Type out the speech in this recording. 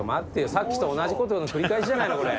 さっきと同じ事の繰り返しじゃないの？